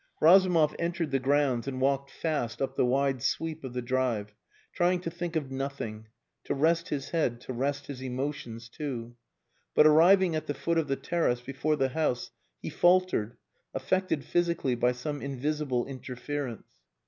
Razumov entered the grounds and walked fast up the wide sweep of the drive, trying to think of nothing to rest his head, to rest his emotions too. But arriving at the foot of the terrace before the house he faltered, affected physically by some invisible interference.